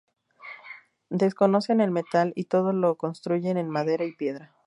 Desconocen el metal y todo lo construyen en madera y piedra.